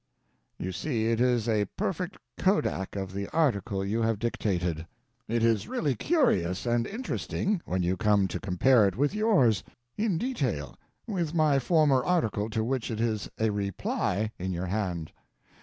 You see it is a perfect kodak of the article you have dictated. It is really curious and interesting when you come to compare it with yours; in detail, with my former article to which it is a Reply in your hand.